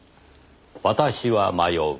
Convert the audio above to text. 「私は迷う。